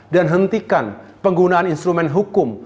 dan hentikan penggunaan instrumen hukum